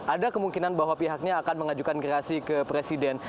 ada kemungkinan bahwa pihaknya akan mengajukan gerasi ke presiden